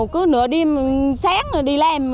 cứ nửa đêm sáng đi làm